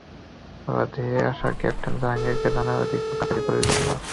তারা ধেয়ে আসা ক্যাপ্টেন জাহাঙ্গীরকে জানালা দিয়ে খুব কাছ থেকে গুলি করল।